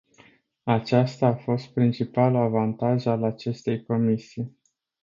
Acesta a fost principalul avantaj al acestei comisii.